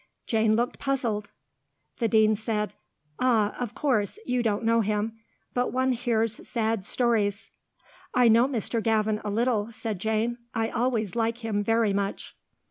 Jane looked puzzled. The Dean said, "Ah, of course, you don't know him. But one hears sad stories...." "I know Mr. Gavin a little," said Jane. "I always like him very much."